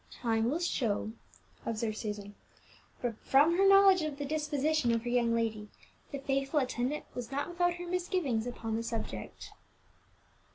"Time will show," observed Susan. But from her knowledge of the disposition of her young lady, the faithful attendant was not without her misgivings upon the subject.